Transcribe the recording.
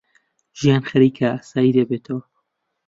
ژیان خەریکە ئاسایی دەبێتەوە.